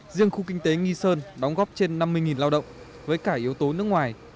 riêng khu kinh tế nghi sơn đóng góp trên năm mươi lao động với cả yếu tố nước ngoài